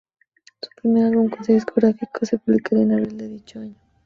Su primer álbum con este sello discográfico se publicaría en abril de dicho año.